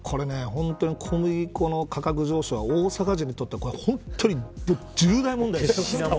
本当に小麦粉の価格上昇は大阪人にとって本当に重大問題です。